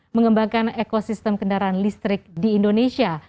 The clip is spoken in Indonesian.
mengembangkan ekosistem kendaraan listrik di indonesia